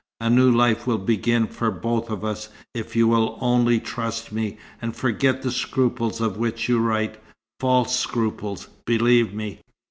A new life will begin for both of us, if you will only trust me, and forget the scruples of which you write false scruples, believe me.